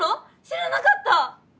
知らなかった！